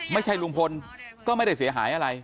ไม่ใช่ลุงพลก็ไม่ได้เสียหายอะไร